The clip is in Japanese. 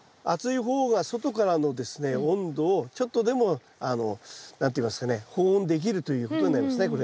厚い方が外からのですね温度をちょっとでもあの何て言いますかね保温できるということになりますね